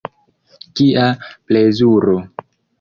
Kia plezuro.